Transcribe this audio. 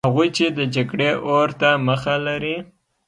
هغوی چې د جګړې اور ته مخه لري.